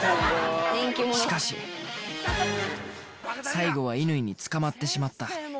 しかし最後は乾井に捕まってしまった